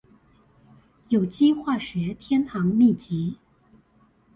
有機化學天堂祕笈